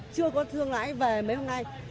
chưa có thương lái về mấy hôm nay